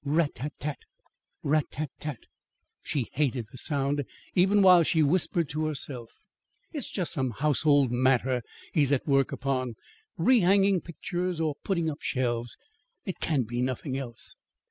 Rat tat tat; rat tat tat. She hated the sound even while she whispered to herself: "It is just some household matter he is at work upon; rehanging pictures or putting up shelves. It can be nothing else."